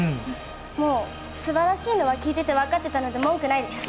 もう素晴らしいのは聴いててわかってたので文句ないです。